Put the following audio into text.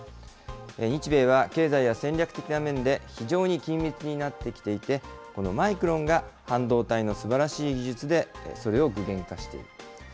日米は経済や戦略的な面で、非常に緊密になってきていて、このマイクロンが半導体のすばらしい技術で、それを具現化している。